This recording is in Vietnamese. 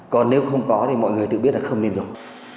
còn nếu không có thì mọi người tự biết là không nên dùng